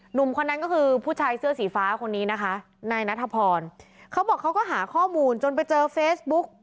หนุ่มคนนั้นก็คือผู้ชายเสื้อสีฟ้าคนนี้นะคะนายนัทพรเขาบอกเขาก็หาข้อมูลจนไปเจอเฟซบุ๊ก